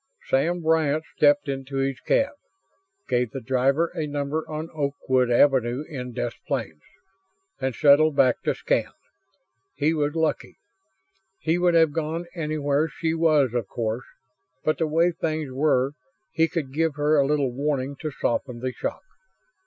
Sam Bryant stepped into his cab, gave the driver a number on Oakwood Avenue in Des Plaines, and settled back to scan. He was lucky. He would have gone anywhere she was, of course, but the way things were, he could give her a little warning to soften the shock.